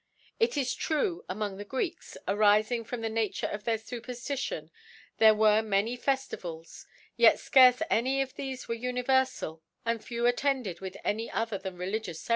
It is true among the Greeks,, arifing from the Nature of their Su perftiiion, there were many Feflivals ; yec I'carce any of thefe were univerfal, and few attended with any other than religious Gc ♦ Exad^ Cbap> xxxiy* Diut, Chap.